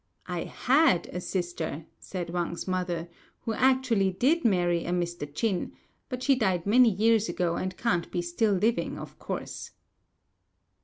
"I had a sister," said Wang's mother, "who actually did marry a Mr. Ch'in, but she died many years ago, and can't be still living, of course."